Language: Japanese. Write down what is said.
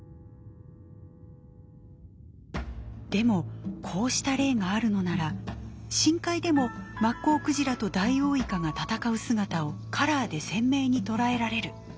でもこうした例があるのなら深海でもマッコウクジラとダイオウイカが闘う姿をカラーで鮮明に捉えられる。